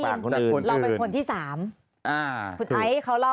แต่ได้ยินจากคนอื่นแต่ได้ยินจากคนอื่นแต่ได้ยินจากคนอื่น